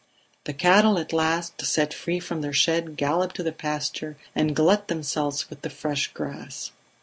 The cattle, at last set free from their shed, gallop to the pasture and glut themselves with the fresh grass.